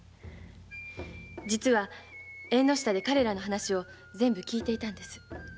実は縁の下で彼らの話を全部聞いていたのです。